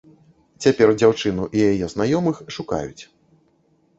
Цяпер дзяўчыну і яе знаёмых шукаюць.